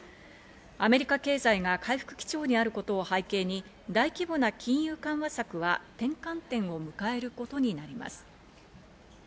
アメリカ経済が回復基調にあることを背景に、大規模な金融緩和策は転換点を迎えることになります。